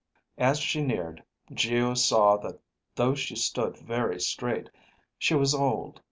As she neared, Geo saw that though she stood very straight, she was old.